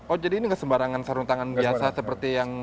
oh jadi ini gak sembarangan sarung tangan biasa seperti yang